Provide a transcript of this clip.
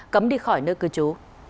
cấm đi khỏi nơi cư trú